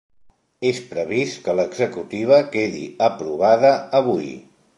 És previst que l’executiva quedi aprovada avui.